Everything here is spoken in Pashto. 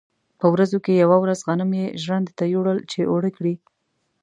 په ورځو کې یوه ورځ غنم یې ژرندې ته یووړل چې اوړه کړي.